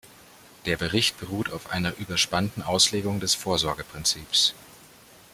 Der Bericht beruht auf einer überspannten Auslegung des Vorsorgeprinzips.